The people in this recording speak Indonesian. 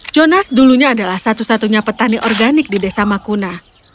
jonas dulunya adalah satu satunya petani organik di desa makuna